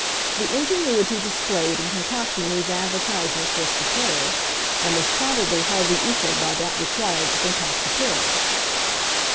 The ingenuity displayed in concocting these advertisements was superb, and was probably hardly equaled by that required to concoct the pills.